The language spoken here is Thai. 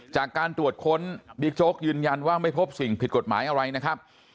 จากการตรวจค้นบิ๊กโจ๊กยืนยันว่าไม่พบสิ่งผิดกฎหมายอะไรนะครับ